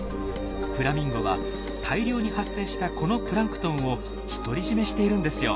フラミンゴは大量に発生したこのプランクトンを独り占めしているんですよ。